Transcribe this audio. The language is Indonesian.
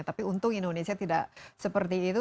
tapi untung indonesia tidak seperti itu